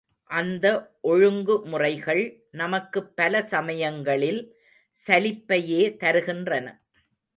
அந்த ஒழுங்கு முறைகள் நமக்குப் பல சமயங்களில் சலிப்பையே தருகின்றன.